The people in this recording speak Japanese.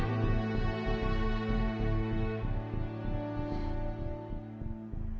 えっ。